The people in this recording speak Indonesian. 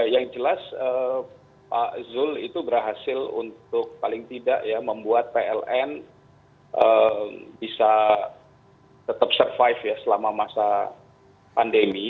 yang jelas pak zul itu berhasil untuk paling tidak ya membuat pln bisa tetap survive ya selama masa pandemi